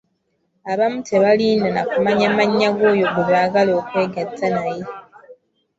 Abamu tebalinda na kumanya mannya g'oyo gwe baagala okwegatta naye.